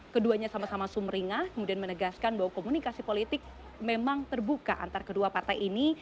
keduanya sama sama sumeringah kemudian menegaskan bahwa komunikasi politik memang terbuka antara kedua partai ini